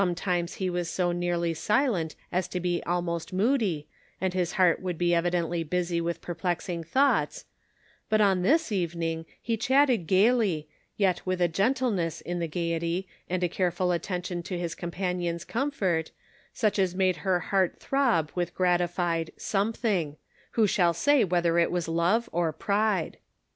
times he was so nearly silent as to be almost moody, and his heart would be evidently busy with perplexing thoughts, but on this evening he chatted gaily, yet with a gentleness in the gaiety and a careful attention to his compan ion's comfort, such as made her heart throb with gratified something — who shall say whether it was love or pride